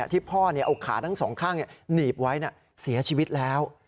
ที่พ่อเอาขาทั้งสองข้างหนีบไว้เสียชีวิตแล้ว